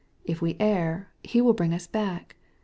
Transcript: If we err. He will bring us back.